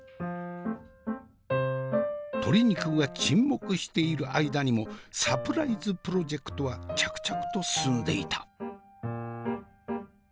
鶏肉が沈黙している間にもサプライズプロジェクトは着々と進んでいた。